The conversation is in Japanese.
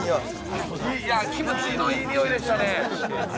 キムチのいいにおいでしたね。